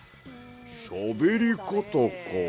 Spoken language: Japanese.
しゃべりかたか。